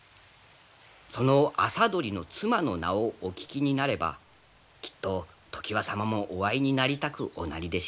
その麻鳥の妻の名をお聞きになればきっと常磐様もお会いになりたくおなりでしょう。